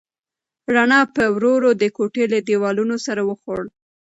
رڼا په ورو ورو د کوټې له دیوالونو سر وخوړ.